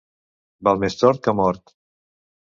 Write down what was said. Val més tort que mort.